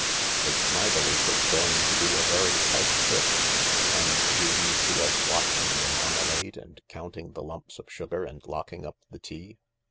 " It's my belief it's going to be a very tight fit. And do you see us watching the marmalade and counting the lumps of sugar and locking up the tea